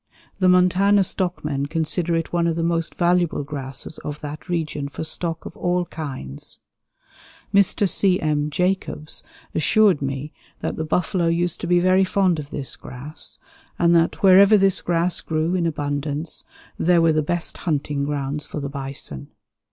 The Montana stockmen consider it one of the most valuable grasses of that region for stock of all kinds. Mr. C. M. Jacobs assured me that the buffalo used to be very fond of this grass, and that "wherever this grass grew in abundance there were the best hunting grounds for the bison."